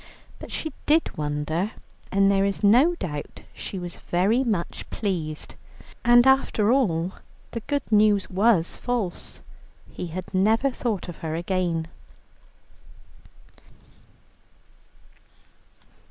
But she did wonder, and there is no doubt she was very much pleased. And after all the good news was false, he had never thought of her again.